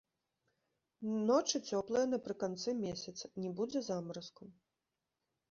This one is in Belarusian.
Ночы цёплыя напрыканцы месяца, не будзе замаразкаў.